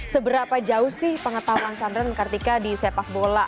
seberapa jauh sih pengetahuan sandra dan kartika di sepak bola